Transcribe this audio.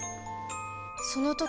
その時